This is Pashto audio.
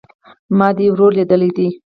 ما دي ورور ليدلى دئ